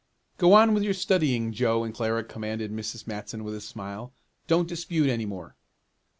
"Go on with your studying, Joe and Clara," commanded Mrs. Matson with a smile. "Don't dispute any more."